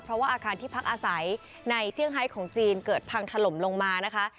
เพราะว่าอาคารที่พักอาศัยในเซี่ยงไฮของจีนเกิดพังถล่มลงมานะคะ